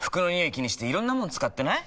気にしていろんなもの使ってない？